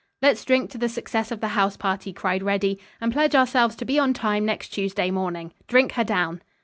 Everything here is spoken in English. "Let's drink to the success of the house party," cried Reddy, "and pledge ourselves to be on time next Tuesday morning. Drink her down."